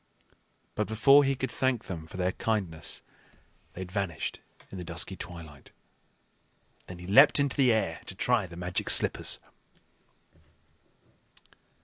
But before he could thank them for their kindness, they had vanished in the dusky twilight. Then he leaped into the air to try the Magic Slippers.